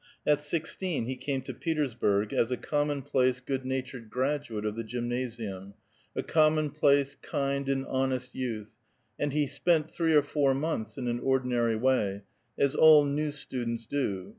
At sixteen he came to Petersburg, as a commonplace, good natured graduate of the gymnasium, a commonplace, kind, and honest youth, and lie spent three or four months in an ordinary way, as all new students do.